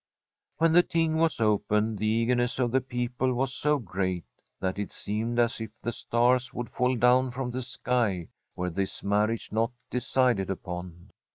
When the Ting was opened, the eagerness of the people was so great that it seemed as if the stars would fall down from the sky were this marriage not decided upon.